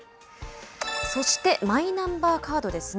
そして、マイナンバーカードですね。